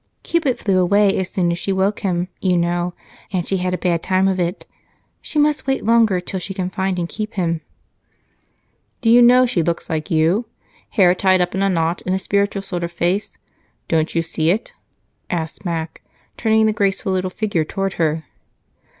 "Cupid fled away as soon as she woke him, you know, and she had a bad time of it. She must wait longer till she can find and keep him." "Do you know she looks like you? Hair tied up in a knot, and a spiritual sort of face. Don't you see it?" asked Mac, turning the graceful little figure toward her.